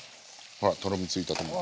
ほらとろみついたと思って。